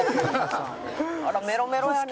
あらメロメロやね。